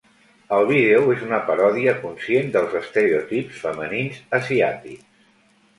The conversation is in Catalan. El vídeo és una paròdia conscient dels estereotips femenins asiàtics.